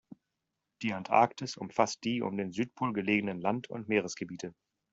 Die Antarktis umfasst die um den Südpol gelegenen Land- und Meeresgebiete.